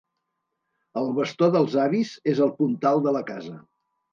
El bastó dels avis és el puntal de la casa.